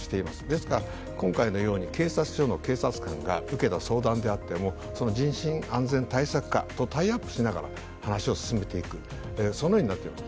ですから、今回のように警察署の警察官が受けた相談であってもその人身安全対策課とタイアップしながら話を進めていく、そのようになっています。